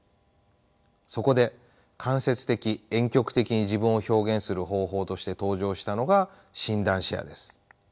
そこで間接的・えん曲的に自分を表現する方法として登場したのが診断シェアです。